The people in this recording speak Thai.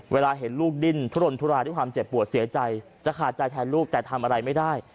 เวลาเห็นลูกดิ้นทุรนทุรายด้วยความเจ็บปวดเสียใจจะขาดใจแทนลูกแต่ทำอะไรไม่ได้